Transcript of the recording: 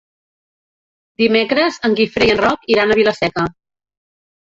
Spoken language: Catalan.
Dimecres en Guifré i en Roc iran a Vila-seca.